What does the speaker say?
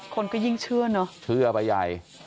คนก็ยิ่งเชื่อเนอะเชื่อไปใหญ่